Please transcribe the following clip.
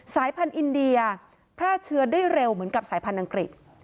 สายพันธุ์อินเดียแพร่เชื้อได้เร็วเหมือนกับสายพันธุ์อังกฤษ